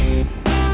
ya itu dia